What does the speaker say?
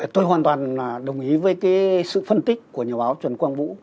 tôi hoàn toàn đồng ý với cái sự phân tích của nhà báo trần quang vũ